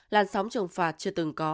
làn sóng trừng phạt chưa từng có